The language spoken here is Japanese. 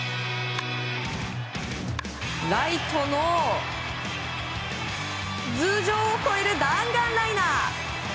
ライトの頭上を越える弾丸ライナー！